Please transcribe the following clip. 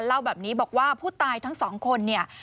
เล่าแบบนี้บอกว่าผู้ตายทั้งสองคนเนี่ย